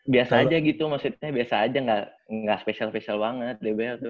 biasa aja gitu maksudnya biasa aja enggak spesial spesial banget dbl tuh